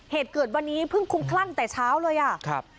เหตุเกิดวันนี้เพิ่งคุ้มคลั่งแต่เช้าเลยอ่ะครับ